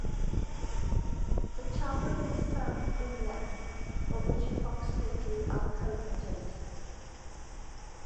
The channel is some in length, of which approximately are culverted.